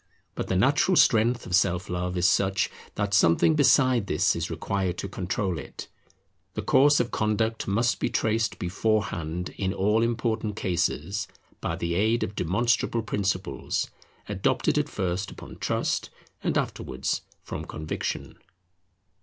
But the natural strength of Self love is such that something besides this is required to control it. The course of conduct must be traced beforehand in all important cases by the aid of demonstrable principles, adopted at first upon trust, and afterwards from conviction.